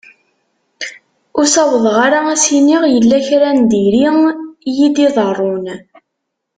Ur sawḍeɣ ara ad as-iniɣ yella kra n diri iyi-d-iḍerrun.